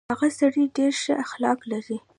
هغه سړی ډېر شه اخلاق لري.